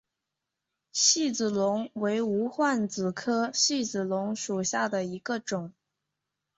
细子龙为无患子科细子龙属下的一个种。